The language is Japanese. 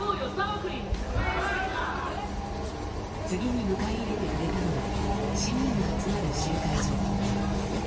次に迎え入れてくれたのは市民が集まる集会所。